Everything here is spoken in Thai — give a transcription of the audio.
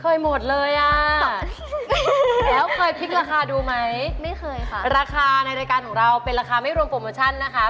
หมดเลยอ่ะแล้วเคยพลิกราคาดูไหมไม่เคยค่ะราคาในรายการของเราเป็นราคาไม่รวมโปรโมชั่นนะคะ